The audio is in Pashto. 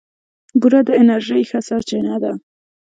بوره د انرژۍ ښه سرچینه ده.